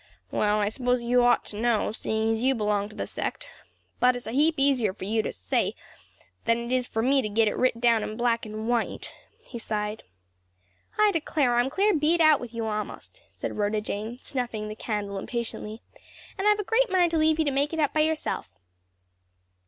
"Well, I s'pose you'd ought to know, seeing you belong to the sect; but it's a heap easier for you to say it than for me to git it writ down in black and white," he sighed. "I declare I'm clear beat out with you a'most," said Rhoda Jane, snuffing the candle impatiently; "and I've a great mind to leave you to make it up by yourself."